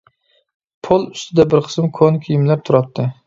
پول ئۈستىدە بىر قىسىم كونا كىيىملەر تۇراتتى.